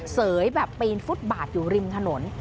เสยแบบปีนฟุตบาทอยู่ริมถนน